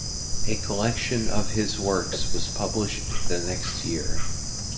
A collection of his works was published the next year.